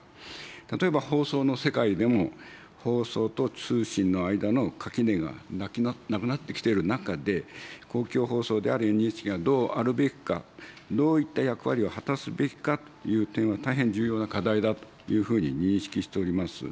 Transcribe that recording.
例えば放送の世界でも、放送と通信の間の垣根がなくなってきている中で、公共放送であるＮＨＫがどうあるべきか、どういった役割を果たすべきかという点は大変重要な課題だというふうに認識しております。